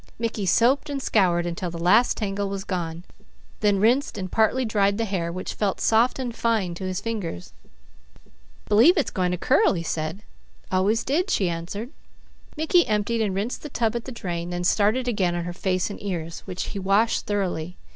Mickey soaped and scoured until the last tangle was gone, then rinsed and partly dried the hair, which felt soft and fine to his fingers. "B'lieve it's going to curl," he said. "Always did," she answered. Mickey emptied and rinsed the tub at the drain, then started again on her face and ears, which he washed thoroughly.